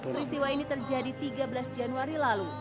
peristiwa ini terjadi tiga belas januari lalu